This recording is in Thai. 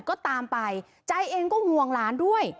ก็ตามไปใจเองก็ห่วงหลานด้วย